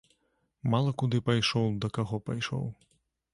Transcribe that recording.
Мала куды пайшоў, да каго пайшоў.